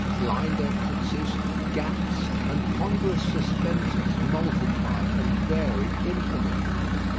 Blind entrances, gaps, and ponderous suspensions multiply and vary infinitely.